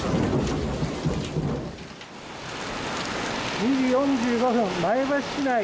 ２時４５分前橋市内